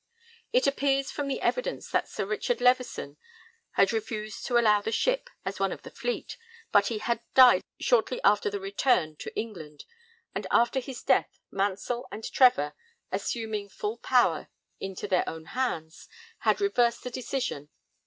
It appears from the evidence that Sir Richard Leveson had refused to allow the ship as one of the fleet, but he had died shortly after the return to England, and after his death Mansell and Trevor, 'assuming full power into their own hands,' had reversed the decision.